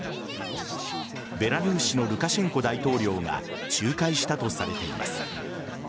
ベラルーシのルカシェンコ大統領が仲介したとされています。